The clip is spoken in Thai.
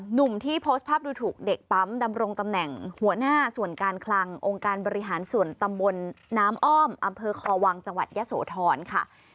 หนุ่มที่โพสต์ภาพดูถูกเด็กปั๊มดำรงตำแหน่งหัวหน้าส่วนการคลังองค์การบริหารส่วนตำบลน้ำอ้อมอำเภอคอวังจังหวัดยะโสธรค่ะ